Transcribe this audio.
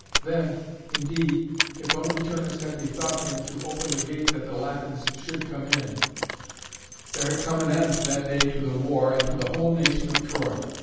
Then, indeed, if only Turnus had bethought him to open the gate that the Latins should come in, there had come an end that day to the war and to the whole nation of Troy.